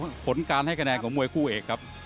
ผลการให้คะแนนของมวยคู่เอกครับ